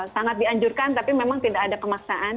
sangat dianjurkan tapi memang tidak ada kemaksaan